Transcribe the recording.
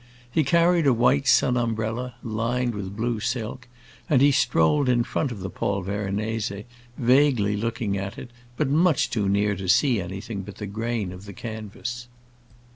He carried a white sun umbrella, lined with blue silk, and he strolled in front of the Paul Veronese, vaguely looking at it, but much too near to see anything but the grain of the canvas.